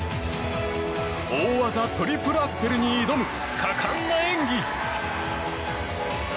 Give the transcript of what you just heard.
大技、トリプルアクセルに挑む果敢な演技。